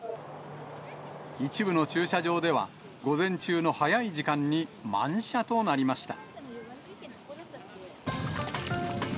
一部の駐車場では、午前中の早い時間に満車となりました。